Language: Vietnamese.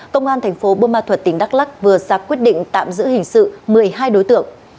công an tp bơ ma thuật tỉnh đắk lắc vừa ra quyết định tạm giữ hình sự một mươi hai đối tượng